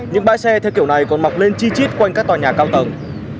những bãi xe theo kiểu này còn mọc lên chi chít quanh các tòa nhà cao tầng